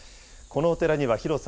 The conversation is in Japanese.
このお寺には広さ